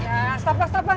ya stop lah stop lah